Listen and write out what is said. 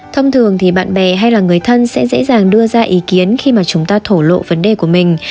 thông thường thì bạn bè hay là người thân sẽ dễ dàng đưa ra ý kiến khi mà chúng ta thổ lộ vấn đề của mình